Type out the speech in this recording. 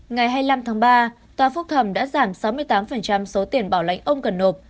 ngày hai mươi năm tháng ba tòa phúc thẩm đã giảm sáu mươi tám số tiền bảo lãnh ông cần nộp